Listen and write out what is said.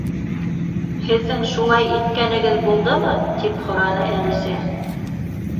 —Һеҙҙең шулай иткәнегеҙ булдымы? —тип һораны Әлисә.